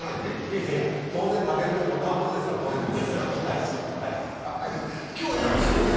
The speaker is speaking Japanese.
いやいや、立てるというより監督ですから当然です。